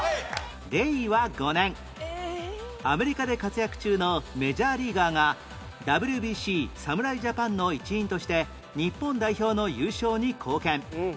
令和５年アメリカで活躍中のメジャーリーガーが ＷＢＣ 侍ジャパンの一員として日本代表の優勝に貢献